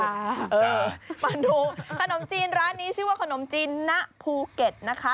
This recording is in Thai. มาดูขนมจีนร้านนี้ชื่อว่าขนมจีนณภูเก็ตนะคะ